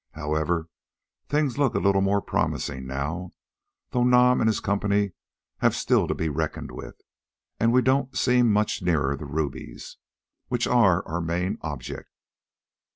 However, things look a little more promising now, though Nam and his company have still to be reckoned with, and we don't seem much nearer the rubies, which are our main object."